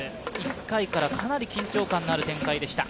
１回からかなり緊張感のある展開でした。